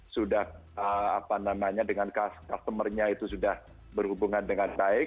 sudah dengan customer nya itu sudah berhubungan dengan baik